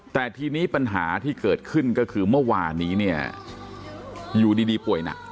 แต่ทีนี้ปัญหาที่เกิดขึ้นก็คือเมื่อวานนี้เนี่ยอยู่ดีป่วยหนัก